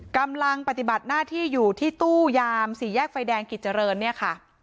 กำลังปฏิบัติหน้าที่อยู่ที่ตู้ยามสี่แยกไฟแดงกิจเจริญเนี่ยค่ะ